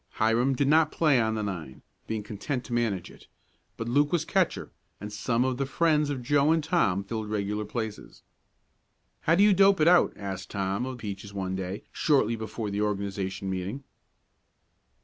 Hiram did not play on the nine, being content to manage it, but Luke was catcher and some of the friends of Joe and Tom filled regular places. "How do you dope it out?" asked Tom of Peaches one day, shortly before the organization meeting.